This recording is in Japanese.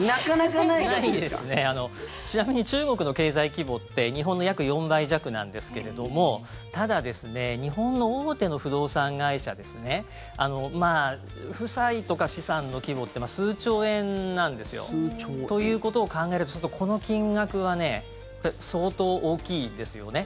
ちなみに中国の経済規模って日本の約４倍弱なんですけどただ、日本の大手の不動産会社は負債とか資産の規模というのは数兆円なんですよ。ということを考えるとこの金額は相当大きいですよね。